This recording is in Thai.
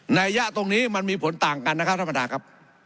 ในยะตรงนี้มันมีผลต่างกันนะครับธรรมดาครับ